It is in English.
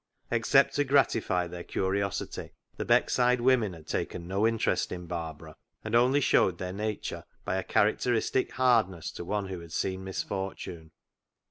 Except to gratify their curiosity, the Beck side women had taken no interest in Barbara, and only showed their nature by a character istic hardness to one who had seen misfortune.